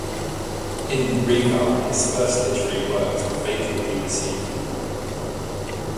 In Reval his first literary works were favourably received.